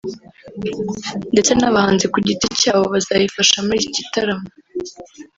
ndetse n’abahanzi ku giti cyabo bazayifasha muri iki gitaramo